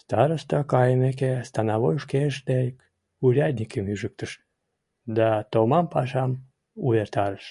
Староста кайымеке, становой шкеж дек урядникым ӱжыктыш да томам пашам увертарыш.